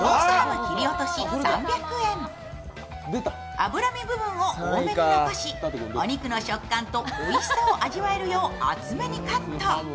脂身部分を多めに残し、お肉の食感とおいしさを味わえるよう、厚めにカット。